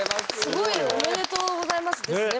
すごいよおめでとうございますですね。